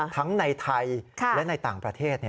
ทั้งในไทยและในต่างประเทศ